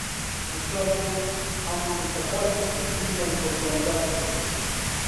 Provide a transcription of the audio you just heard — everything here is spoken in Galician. No entanto, ambos destacaron o "clima de cordialidade do encontro".